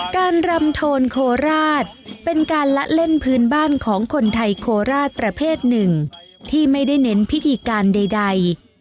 การรำโทนโคราชเป็นการละเล่นพื้นบ้านของคนไทยโคราชประเภทหนึ่งที่ไม่ได้เน้นพิธีการใด